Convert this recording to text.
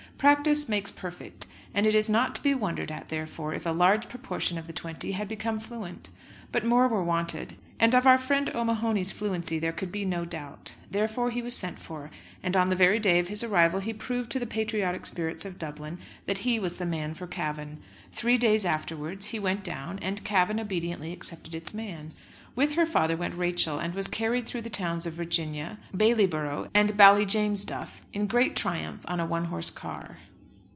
Practice makes perfect, and it is not to be wondered at therefore if a large proportion of The Twenty had become fluent. But more were wanted, and of our friend O'Mahony's fluency there could be no doubt. Therefore he was sent for, and on the very day of his arrival he proved to the patriotic spirits of Dublin that he was the man for Cavan. Three days afterwards he went down, and Cavan obediently accepted its man. With her father went Rachel, and was carried through the towns of Virginia, Bailyborough, and Ballyjamesduff, in great triumph on a one horse car.